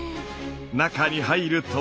中に入ると。